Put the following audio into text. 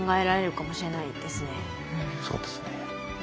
そうですね。